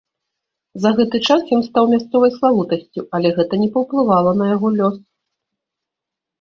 За гэты час ён стаў мясцовай славутасцю, але гэта не паўплывала на яго лёс.